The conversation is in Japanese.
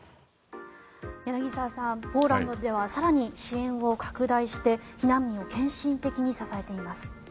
柳澤さん、ポーランドでは更に支援を拡大して避難民を献身的に支えています。